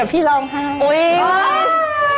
การที่บูชาเทพสามองค์มันทำให้ร้านประสบความสำเร็จ